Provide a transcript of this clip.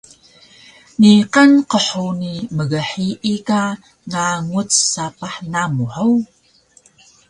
Niqan qhuni mghiyi ka nganguc sapah namu hug?